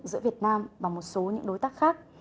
giữa việt nam và một số những đối tác khác